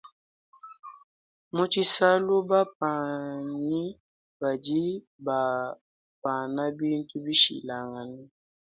Mutshisalu bapanyi badi bapana bintu bishilashilangane.